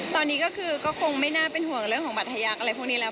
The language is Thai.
ตอนนี้ก็คือก็คงไม่น่าเป็นห่วงเรื่องของบัตรทยักษ์อะไรพวกนี้แล้ว